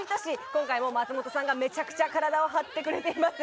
今回も松本さんがめちゃくちゃ体を張ってくれています。